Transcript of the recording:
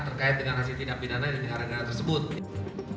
dengan hasil tidak binar lain dari negara negara tersebut